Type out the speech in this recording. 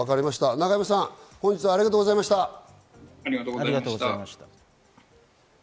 永山さん、本日はありがとうございました。